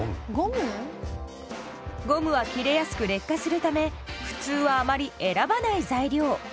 ゴムは切れやすく劣化するため普通はあまり選ばない材料。